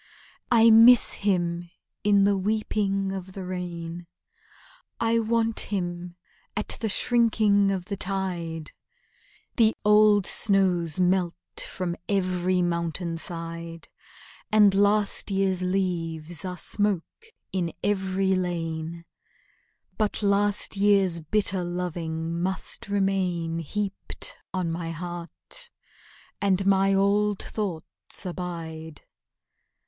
I miss him in the weeping of the rain; I want him at the shrinking of the tide; The old snows melt from every mountain side, And last year's leaves are smoke in every lane; But last year's bitter loving must remain Heaped on my heart, and my old thoughts abide!